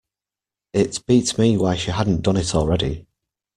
It beat me why she hadn't done it already.